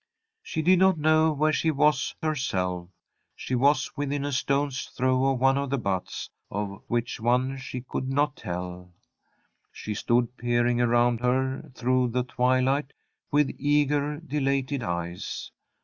She did not know where she was herself. She was within a stone's throw of one of the buttes, out which one she could not tell. She stood peering around her through the twilight with eager, dilated eyes.